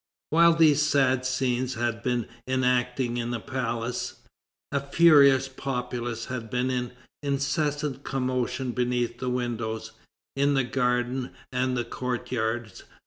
While these sad scenes had been enacting in the palace, a furious populace had been in incessant commotion beneath the windows, in the garden and the courtyards.